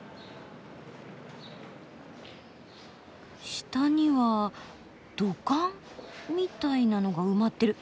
下には土管みたいなのが埋まってる。